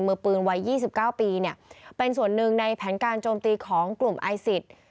มือปืนวัย๒๙ปีเนี่ยเป็นส่วนหนึ่งในแผนการโจมตีของกลุ่มไอซิส